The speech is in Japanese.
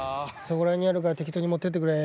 そこら辺にあるから適当に持ってってくれ。